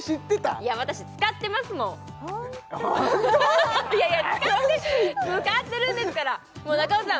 怪しいっていやいや使ってるんですからもう中尾さん